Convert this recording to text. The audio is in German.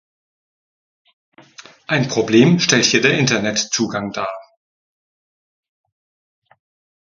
Ein Problem stellt hier der Internet-Zugang dar.